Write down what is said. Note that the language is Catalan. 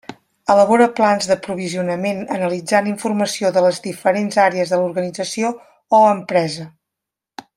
Elabora plans d'aprovisionament, analitzant informació de les diferents àrees de l'organització o empresa.